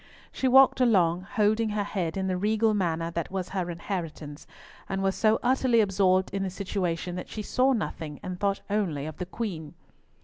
She walked along, holding her head in the regal manner that was her inheritance, and was so utterly absorbed in the situation that she saw nothing, and thought only of the Queen.